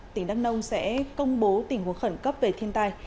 tỉnh đắk nông sẽ công bố tình huống khẩn cấp về thiên tai